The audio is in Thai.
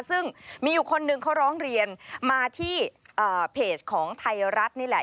ซึ่งมีอยู่คนหนึ่งเขาร้องเรียนมาที่เพจของไทยรัฐนี่แหละ